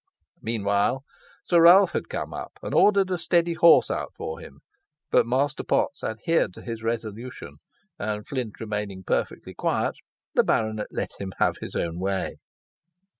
Meanwhile, Sir Ralph had come up and ordered a steady horse out for him; but Master Potts adhered to his resolution, and Flint remaining perfectly quiet, the baronet let him have his own way.